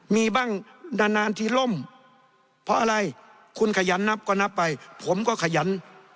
มีบ้างนานที่ล่มเพราะอะไรคุณขยันนับก็นับไปผมก็ขยัน